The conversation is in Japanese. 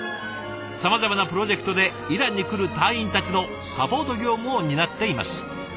さまざまなプロジェクトでイランに来る隊員たちのサポート業務を担っています。